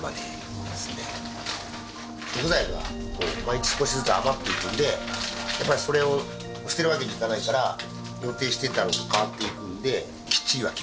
食材は毎日少しずつ余っていくんでやっぱりそれを捨てるわけにいかないから予定してたのと変わっていくんできっちりは決めてないですね。